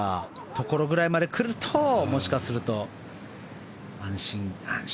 ところぐらいまで来るともしかすると安心。